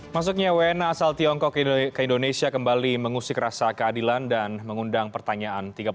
masuknya wna asal tiongkok ke indonesia kembali mengusik rasa keadilan dan mengundang pertanyaan